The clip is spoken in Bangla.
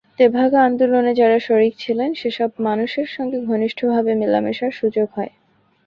তেভাগা আন্দোলনে যাঁরা শরিক ছিলেন, সেসব মানুষের সঙ্গে ঘনিষ্ঠভাবে মেলামেশার সুযোগ হয়।